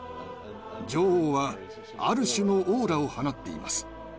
女王はある種のオーラを放っています。